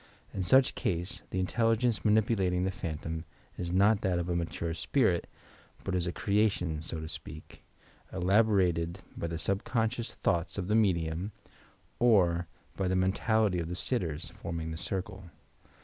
In such case, the intelligtnee manipulating the phantom is not that of a mature spirit but is a creation, so to speak, elaborated by the subcon scious thoughts of the medium or by the mentality of the sitters, forming the circle.